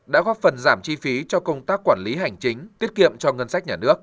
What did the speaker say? đã góp phần giảm chi phí cho công tác quản lý hành chính tiết kiệm cho ngân sách nhà nước